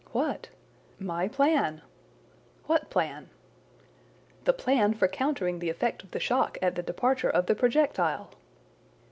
"What?" "My plan!" "What plan?" "The plan for countering the effect of the shock at the departure of the projectile!"